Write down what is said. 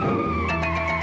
nih lu ngerti gak